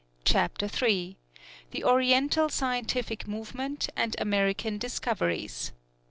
CHAPTER III. THE ORIENTAL SCIENTIFIC MOVEMENT AND AMERICAN DISCOVERIES.